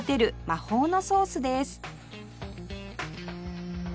魔法のソースです